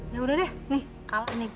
ya udah deh nih kalah ini gue